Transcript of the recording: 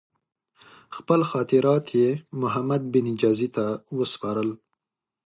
خپل خاطرات یې محمدبن جزي ته وسپارل.